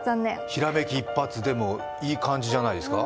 ひらめき一発、でも、いい感じじゃないですか？